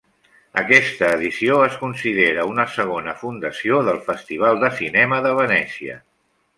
Aquesta edició es considera una segona fundació del Festival de Cinema de Venècia.